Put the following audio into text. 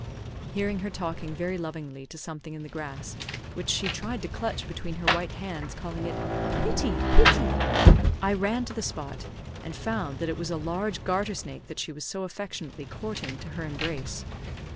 Hearing her talking very lovingly to something in the grass, which she tried to clutch between her white hands, calling it "Pitty, pitty;" I ran to the spot, and found that it was a large garter snake that she was so affectionately courting to her embrace.